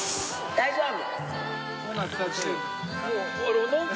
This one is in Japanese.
大丈夫。